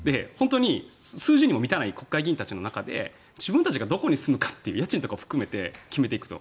数字にも満たない国会議員たちが自分たちがどこに住むかって家賃とか含めて決めていくと。